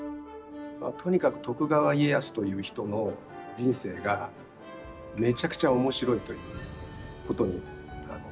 とにかく徳川家康という人の人生がめちゃくちゃ面白いということに尽きるんですけど。